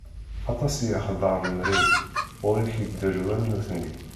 Aṭas i yexdeɛ lemri, ɣuṛ-k i k-tḍeṛṛu am nutni!